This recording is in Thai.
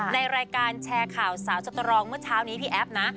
ในรายการแชร์ข่าวสาวสตรองเมื่อเช้านี้พี่แอฟนะ